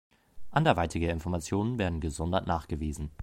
Anderweitige Informationen werden gesondert nachgewiesen.